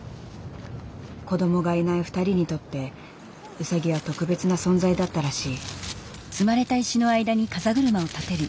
子どもがいない２人にとってウサギは特別な存在だったらしい。